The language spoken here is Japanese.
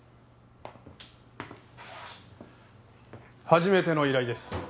初めての依頼です。